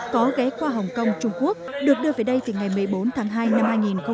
có ghé qua hồng kông trung quốc được đưa về đây từ ngày một mươi bốn tháng hai năm hai nghìn hai mươi